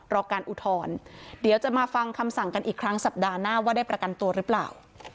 รอการอุทธรณ์เดี๋ยวจะมาฟังคำสั่งกันอีกครั้งสัปดาห์หน้าว่าได้ประกันตัวหรือเปล่า